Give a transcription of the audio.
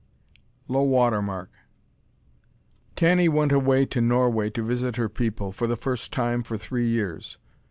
LOW WATER MARK Tanny went away to Norway to visit her people, for the first time for three years.